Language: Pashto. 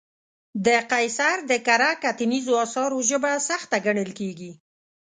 د قیصر د کره کتنیزو اثارو ژبه سخته ګڼل کېږي.